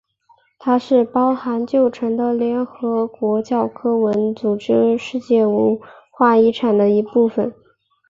它是包含旧城的联合国教科文组织世界文化遗产的一部分。